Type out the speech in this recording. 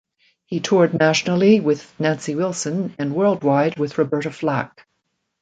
He toured nationally with Nancy Wilson and worldwide with Roberta Flack.